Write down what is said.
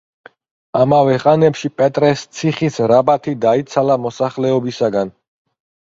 ამავე ხანებში პეტრეს ციხის რაბათი დაიცალა მოსახლეობისაგან.